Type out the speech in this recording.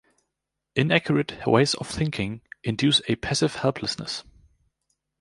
Inaccurate ways of thinking induce a passive helplessness.